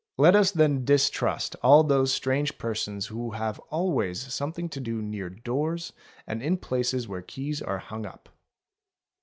Let us then distrust all those strange persons who have always something to do near ' doors and in places where keys are hung up.